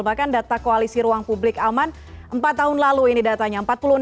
bahkan data koalisi ruang publik aman empat tahun lalu ini datanya